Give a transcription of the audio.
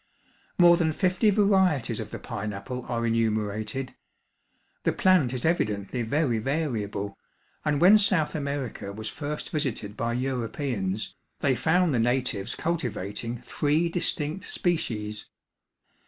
More than fifty varieties of the pineapple are enumerated. The plant is evidently very variable, and when South America was first visited by Europeans, they found the natives cultivating three distinct species.